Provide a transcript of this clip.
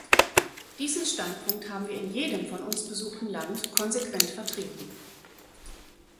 Diesen Standpunkt haben wir in jedem von uns besuchten Land konsequent vertreten.